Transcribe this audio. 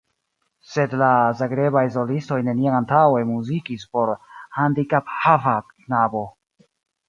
Sed la Zagrebaj solistoj neniam antaŭe muzikis por handikaphava knabo.